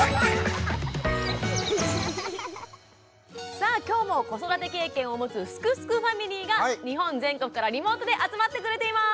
さあ今日も子育て経験を持つ「すくすくファミリー」が日本全国からリモートで集まってくれています。